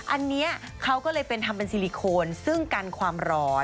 อันนี้เขาก็เลยเป็นทำเป็นซิลิโคนซึ่งกันความร้อน